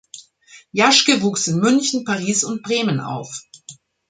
Jaschke wuchs in München, Paris und Bremen auf.